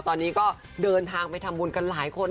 ตอนนี้ก็เดินทางไปทำบุญกันหลายคน